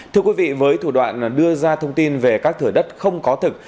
thưa quý vị với thủ đoạn đưa ra thông tin về các thửa đất không có thực